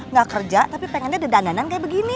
gak kerja tapi pengennya ada dandanan kayak begini